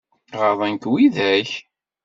Ɣaḍen-k widak?